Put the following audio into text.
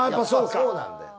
そうなんだよ